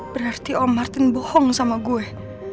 berarti om martin bohong sama gue